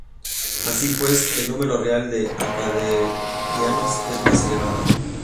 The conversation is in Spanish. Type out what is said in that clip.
Así pues, el número real de Acadianos es más elevado.